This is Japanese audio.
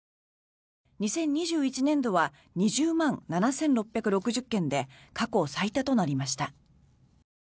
２０２１年度は２０万７６６０件で過去最多となりました。